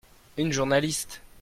Une journaliste.